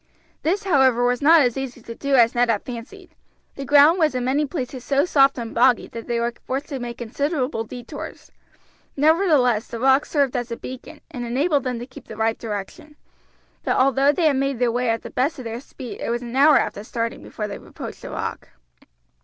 This, however, was not as easy to do as Ned had fancied; the ground was in many places so soft and boggy that they were forced to make considerable detours. Nevertheless the rocks served as a beacon, and enabled them to keep the right direction; but although they made their way at the best of their speed it was an hour after starting before they approached the rock.